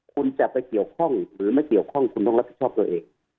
คุณจะไปเกี่ยวข้องหรือไม่เกี่ยวข้องคุณต้องรับผิดชอบตัวเอง